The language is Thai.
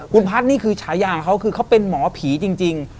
คุณพัฒน์นี่คือฉายาของเขาคือเขาเป็นหมอผีจริง